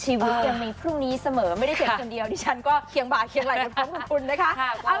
ชีวิตยังมีพรุ่งนี้เสมอไม่ได้เพียงคนเดียวดิฉันก็เคียงบ่าเคียงไหลกันพร้อมขอบคุณนะคะ